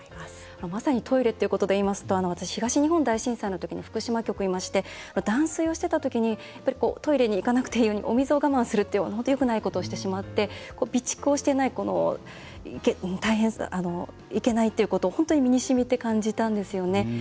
まさにトイレということでいいますと東日本大震災の際に福島局にいまして断水をしていたときにトイレに行かなくていいようにお水を我慢するという、本当によくないことをしてしまって備蓄をしていないといけないというのを身にしみて感じたんですよね。